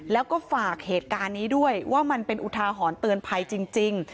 แล้วก็ฝากเหตุการณ์นี้ด้วยว่ามันเป็นอุทาหรณ์เตือนภัยจริง